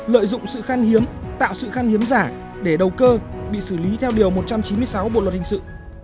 lợi dụng sự khăn hiếm tạo sự khăn hiếm giả để đầu cơ bị xử lý theo điều một trăm chín mươi sáu bộ luật hình sự